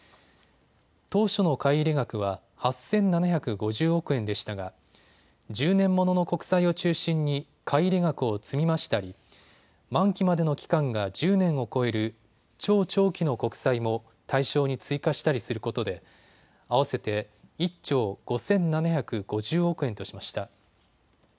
当初の買い入れ額は８７５０億円でしたが１０年ものの国債を中心に買い入れ額を積み増したり、満期までの期間が１０年を超える超長期の国債も対象に追加したりすることで合わせて１兆５７５０億円としました。